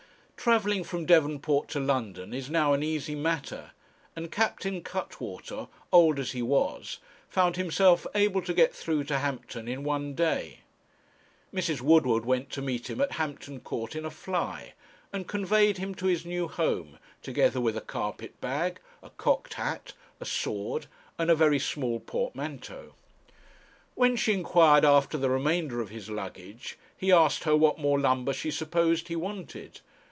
Travelling from Devonport to London is now an easy matter; and Captain Cuttwater, old as he was, found himself able to get through to Hampton in one day. Mrs. Woodward went to meet him at Hampton Court in a fly, and conveyed him to his new home, together with a carpet bag, a cocked hat, a sword, and a very small portmanteau. When she inquired after the remainder of his luggage, he asked her what more lumber she supposed he wanted.